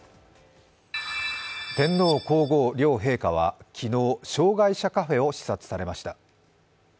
天皇皇后両陛下は昨日、障害者カフェを視察されました。